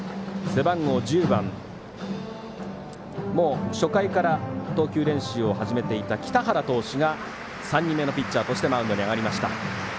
背番号１０番もう初回から投球練習を始めていた北原投手が３人目の投手としてマウンドに上がりました。